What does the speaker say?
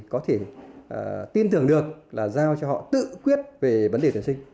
có thể tin tưởng được là giao cho họ tự quyết về vấn đề tuyển sinh